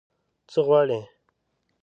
_څه غواړې؟